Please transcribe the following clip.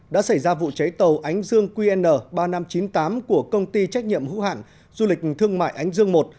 đã xảy ra vụ cháy tàu ánh dương qn ba nghìn năm trăm chín mươi tám của công ty trách nhiệm hữu hạn du lịch thương mại ánh dương i